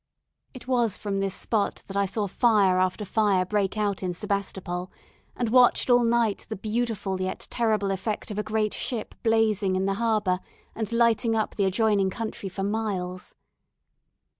It was from this spot that I saw fire after fire break out in Sebastopol, and watched all night the beautiful yet terrible effect of a great ship blazing in the harbour, and lighting up the adjoining country for miles.